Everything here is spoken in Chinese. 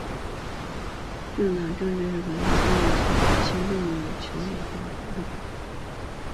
政党政治是指一个国家通过政党来行使国家政权的一种形式。